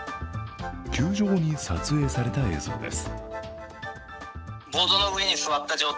救助後に撮影された映像です。